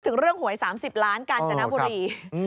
ถึงเรื่องหวย๓๐ล้านกาญจนบุรี